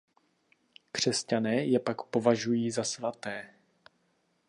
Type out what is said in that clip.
Křesťané je pak považují za "svaté".